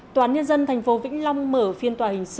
tòa án nhân dân thành phố vĩnh long mở phiên tòa hình sự